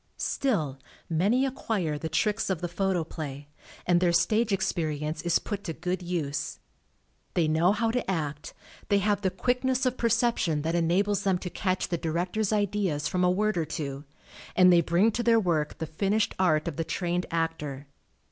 Still, many acquire the tricks of the Photoplay, and their stage experience is put to good use. They know how to act. they have the quickness of perception that enables them to catch the director's ideas from a word or two, and they bring to their work the finished art of the trained actor.